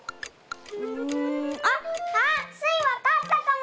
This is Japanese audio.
あっあっスイわかったかも！